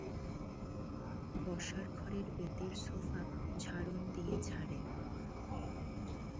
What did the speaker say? বসার ঘরের বেতের সোফা ঝাড়ন দিয়ে ঝাড়ে।